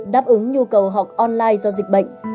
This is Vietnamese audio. đáp ứng nhu cầu học online do dịch bệnh